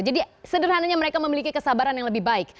jadi sederhananya mereka memiliki kesabaran yang lebih baik